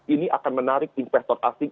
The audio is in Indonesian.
ini akan menarik investor asing